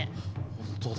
本当だ。